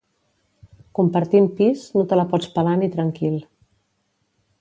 Compartint pis, no te la pots pelar ni tranquil